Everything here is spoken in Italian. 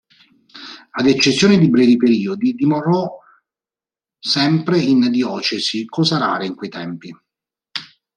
Ad eccezione di brevi periodi, dimorò sempre in diocesi, cosa rara in quei tempi.